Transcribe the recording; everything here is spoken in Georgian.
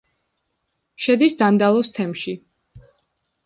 შედის დანდალოს თემში.